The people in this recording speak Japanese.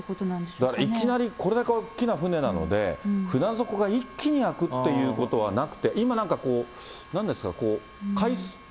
だからいきなりこれだけ大きな船なので、船底が一気に開くってことはなくて、今なんかこう、なんですか、こう。